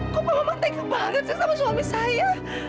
kok pak maman tega banget sih sama suami saya